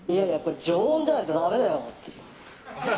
常温じゃないとダメだよって。